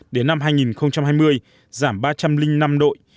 đến năm hai nghìn hai mươi giảm ba trăm linh năm đội